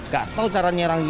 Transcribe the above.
gak tau cara nyerang